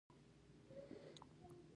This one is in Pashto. ما ټوټه بېرته سمه کړه او لاره مې بنده کړه